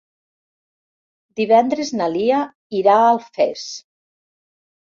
Divendres na Lia irà a Alfés.